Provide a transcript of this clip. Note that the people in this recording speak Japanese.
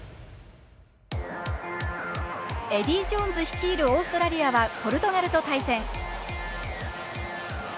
エディー・ジョーンズ率いるオーストラリアはポルトガルと対戦。